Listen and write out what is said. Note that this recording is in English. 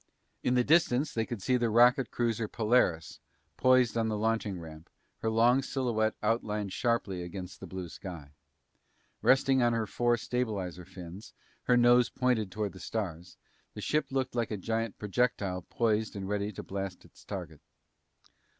In the distance they could see the rocket cruiser Polaris, poised on the launching ramp, her long silhouette outlined sharply against the blue sky. Resting on her four stabilizer fins, her nose pointed toward the stars, the ship looked like a giant projectile poised and ready to blast its target.